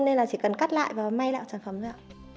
nên là chỉ cần cắt lại và may lại một sản phẩm thôi ạ